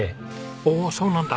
おおそうなんだ。